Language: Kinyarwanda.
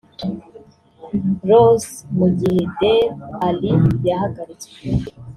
Rose mu gihe Dele Alli yahagaritswe